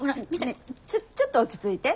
ねえちょっと落ち着いて。